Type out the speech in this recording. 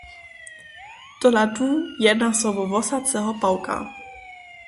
Tola tu jedna so wo wosaceho pawka.